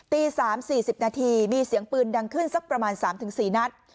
ตี๓๔๐นาทีมีเสียงปืนดังขึ้นสักประมาณ๓๔นัด